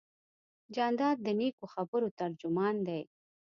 جانداد د نیکو خبرو ترجمان دی.